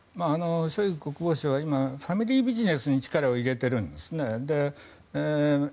ショイグ国防相は今、ファミリービジネスに力を入れてるんですね。